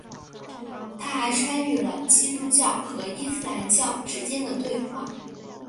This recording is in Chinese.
他还参与了基督教和伊斯兰教之间的对话。